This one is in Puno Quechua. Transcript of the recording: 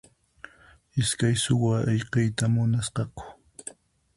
Iskay suwa ayqiyta munasqaku.